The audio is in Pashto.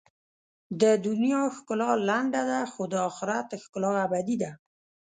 د دنیا ښکلا لنډه ده، خو د آخرت ښکلا ابدي ده.